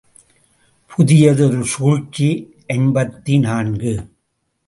புதியதொரு சூழ்ச்சி ஐம்பத்து நான்கு.